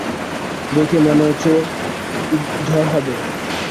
দেখে মনে হচ্ছে ঝড় হবে।